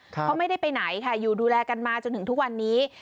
เขาไม่ได้ไปไหนค่ะอยู่ดูแลกันมาจนถึงทุกวันนี้